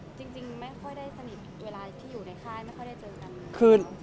จริงไม่ค่อยได้สนิทเวลาที่อยู่ในค่ายไม่ค่อยได้เจอกัน